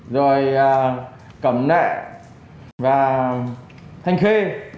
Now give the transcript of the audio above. rồi cẩm nại và thanh khê